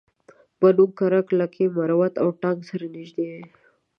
بنو کرک لکي مروت او ټانک سره نژدې دي